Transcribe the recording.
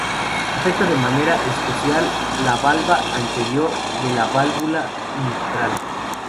Se afecta de manera especial la valva anterior de la válvula mitral.